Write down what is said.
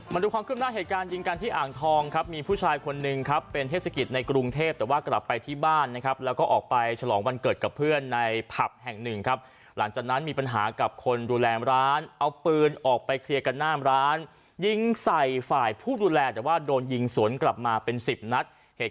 มาดูความขึ้นหน้าเหตุการณ์ยิงกันที่อ่างทองครับมีผู้ชายคนหนึ่งครับเป็นเทศกิจในกรุงเทพแต่ว่ากลับไปที่บ้านนะครับแล้วก็ออกไปฉลองวันเกิดกับเพื่อนในผับแห่งหนึ่งครับหลังจากนั้นมีปัญหากับคนดูแลร้านเอาปืนออกไปเคลียร์กันหน้าร้านยิงใส่ฝ่ายผู้ดูแลแต่ว่าโดนยิงสวนกลับมาเป็นสิบนัดเหตุ